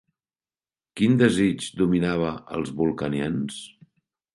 Quin desig dominava els vulcanians?